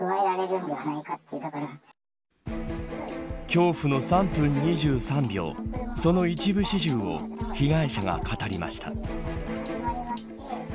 恐怖の３分２３秒その一部始終を被害者が語りました。